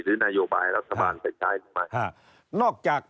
หรือนโยบายรัฐบาลไปใช้